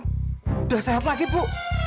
sudah sehat lagi bu